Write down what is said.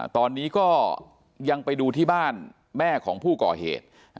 ตอนนี้ก็ยังไปดูที่บ้านแม่ของผู้ก่อเหตุ